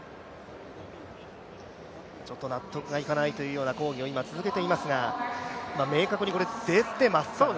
ちょっと納得がいかないという抗議を今続けていますが明確にこれ、出てますからね。